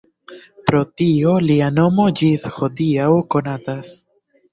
Pro tio lia nomo ĝis hodiaŭ konatas.